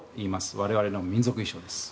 我々の民族衣装です。